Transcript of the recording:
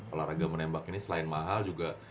olahraga menembak ini selain mahal juga